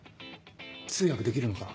通訳できるのか？